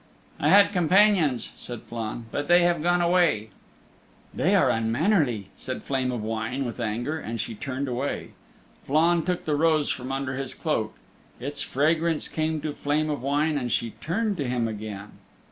"I had companions," said Flann, "but they have gone away." "They are unmannerly," said Flame of Wine with anger, and she turned away. Flann took the rose from under his cloak. Its fragrance came to Flame of Wine and she turned to him again.